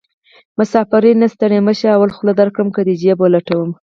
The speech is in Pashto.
مسافرۍ نه ستړی مشې اول خوله درکړم که دې جېب ولټومه